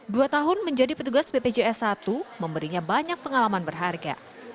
dua tahun menjadi petugas bpjs satu memberinya banyak pengalaman berharga